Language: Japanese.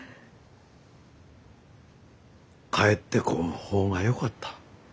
帰ってこん方がよかった。